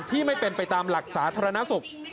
ไม่เป็นไปตามหลักสาธารณสุข